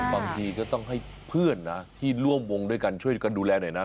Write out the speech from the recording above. บางทีก็ต้องให้เพื่อนนะที่ร่วมวงด้วยกันช่วยกันดูแลหน่อยนะ